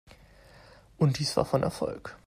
Und dies war von Erfolg.